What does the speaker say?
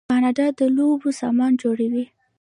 کاناډا د لوبو سامان جوړوي.